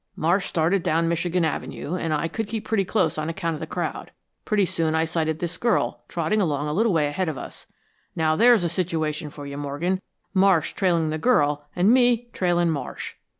"Marsh started down Michigan Avenue, and I could keep pretty close on account of the crowd. Pretty soon I sighted this girl trotting along a little way ahead of us. Now, there's a situation for you, Morgan Marsh trailing the girl and me trailing Marsh."